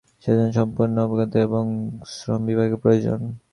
সেজন্য সম্পূর্ণ আজ্ঞাবহতা এবং শ্রম-বিভাগের প্রয়োজন।